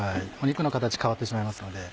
肉の形変わってしまいますので。